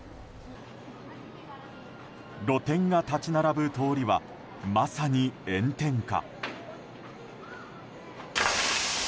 露店が立ち並ぶ通りはまさに炎天下。